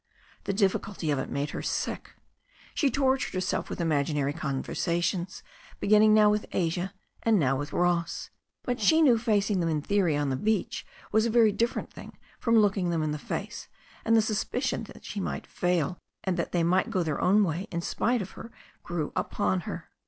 The difficulty of it made her sick. She tortured herself with imaginary conversations, beginning now with Asia and now with Ross. But she knew facing them in theory on the beach was a very different thing from looking them in the face, and the suspicion that she might fail, and that they might go their own way in spite of her grew upon her.